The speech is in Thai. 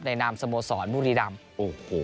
ในนามสโมสรบุรีรัมป์